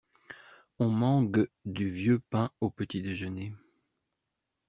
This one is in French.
On mangue du vieux pain au petit-déjeuner.